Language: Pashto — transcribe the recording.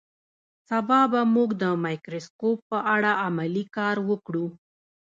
سبا به موږ د مایکروسکوپ په اړه عملي کار وکړو